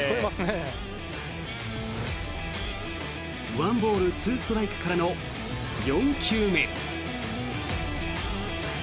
１ボール２ストライクからの４球目。